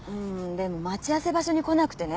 でも待ち合わせ場所に来なくてね。